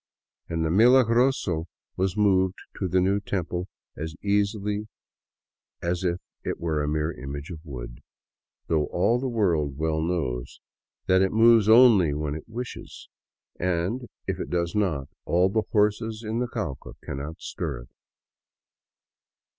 And the Milagroso was moved to the new temple as easily as if it were a mere image of wood, though all the world well knows that it moves only when it wishes, and if it does not, all the horses in the Cauca cannot stir it.